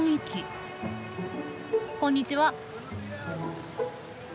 こんにちは。